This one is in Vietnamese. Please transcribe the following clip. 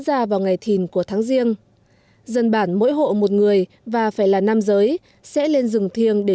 ra vào ngày thìn của tháng riêng dân bản mỗi hộ một người và phải là nam giới sẽ lên rừng thiêng để